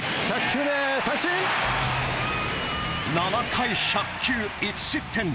７回１００球１失点。